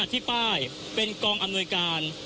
ที่ป้ายเป็นกองอำนวยการ